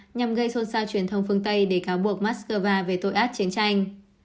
nhằm gây xôn xa truyền thông phương tây để cáo buộc moscow về tội ác chiến tranh